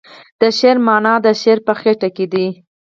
د شعر معنی د شاعر په خیټه کې ده.